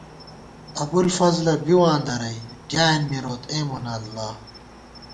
ابوالفضلہ بِواں درَئی، ڈیایېن مروت اےمونہ اللہ